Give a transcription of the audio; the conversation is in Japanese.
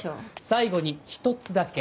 最後に１つだけ。